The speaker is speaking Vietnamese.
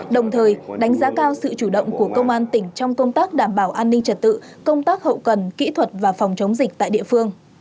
đồng thời đánh giá cao sự chủ động của công an tỉnh trong công tác đảm bảo an ninh trật tự công tác hậu cần kỹ thuật và phòng chống dịch tại địa phương